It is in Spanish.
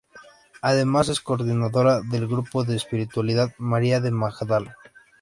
Además, es coordinadora del Grupo de Espiritualidad María de Magdala.